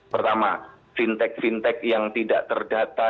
pertama fintech fintech yang tidak terdata